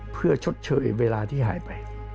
เพื่อชดเชยเวลาที่หายไป